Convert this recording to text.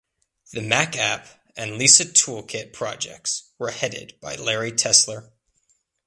The MacApp and Lisa Toolkit projects were headed by Larry Tesler.